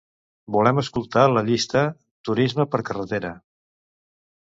Volem escoltar la llista "turisme per carretera".